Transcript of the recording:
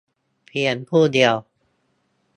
เพียงผู้เดียว